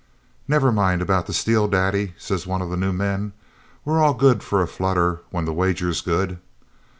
'Never mind about the steel, daddy,' says one of the new men. 'We're all good for a flutter when the wager's good.